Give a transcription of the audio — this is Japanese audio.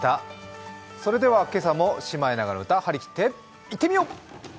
それでは今朝も「シマエナガの歌」張り切っていってみよう。